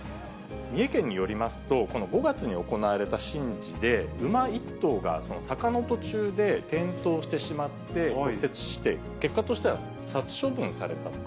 三重県によりますと、この５月に行われた神事で、馬１頭がその坂の途中で転倒してしまって骨折して、結果としては殺処分されたと。